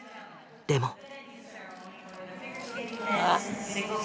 でも。